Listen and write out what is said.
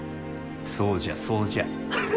そうじゃそうじゃ。